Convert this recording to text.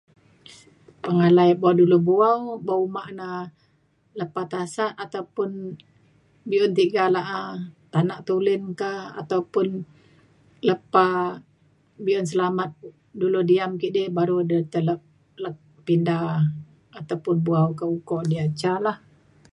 Pengalai bo dulu bu'au oban omak ne lepa tasak ataupun beun tega la'a, tanak tulen ka, ataupun lepa be'un selamat dulu diam kidi baru de tai le pinda ataupun bu'au ka ukok diak ca la.